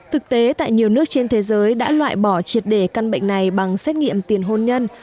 thực tế tại nhiều nước trên thế giới đã loại bỏ triệt đề căn bệnh này bằng xét nghiệm tiền hôn nhân